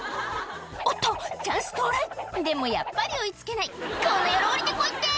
おっとチャンス到来でもやっぱり追い付けない「この野郎下りて来いって！」